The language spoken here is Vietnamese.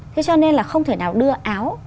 thế cho nên là không thể nào đưa áo